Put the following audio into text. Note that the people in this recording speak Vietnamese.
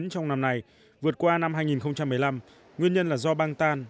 trong năm này vượt qua năm hai nghìn một mươi năm nguyên nhân là do băng tan